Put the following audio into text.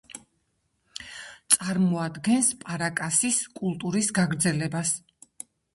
წარმოადგენს პარაკასის კულტურის გაგრძელებას.